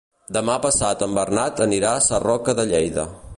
Demà passat en Bernat anirà a Sarroca de Lleida.